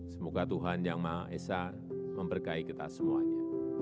semoga tuhan yang maha esa memberkai kita semuanya